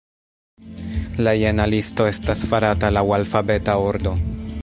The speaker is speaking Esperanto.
La jena listo estas farata laŭ alfabeta ordo.